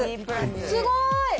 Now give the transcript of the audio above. すごーい！